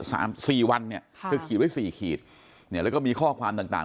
สามสี่วันเนี่ยค่ะเธอขีดไว้สี่ขีดเนี่ยแล้วก็มีข้อความต่างต่าง